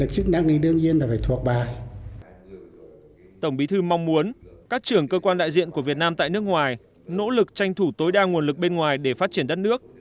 tổng bí thư mong muốn các trưởng cơ quan đại diện của việt nam tại nước ngoài nỗ lực tranh thủ tối đa nguồn lực bên ngoài để phát triển đất nước